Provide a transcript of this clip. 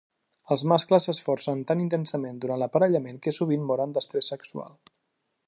Els mascles s'esforcen tan intensament durant l'aparellament que sovint moren d'estrès sexual.